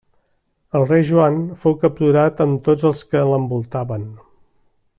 El rei Joan fou capturat amb tots els que l'envoltaven.